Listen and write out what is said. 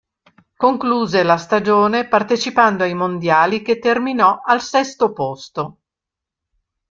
Concluse la stagione partecipando ai mondiali che terminò al sesto posto.